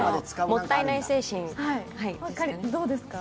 もったいない精神ですかね。